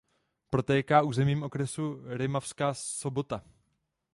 Protéká územím okresu Rimavská Sobota.